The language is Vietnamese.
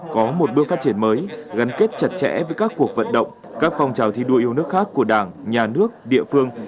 có một bước phát triển mới gắn kết chặt chẽ với các cuộc vận động các phong trào thi đua yêu nước khác của đảng nhà nước địa phương